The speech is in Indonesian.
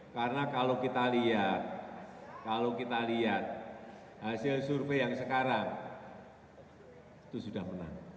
karena kalau kita lihat kalau kita lihat hasil survei yang sekarang itu sudah menang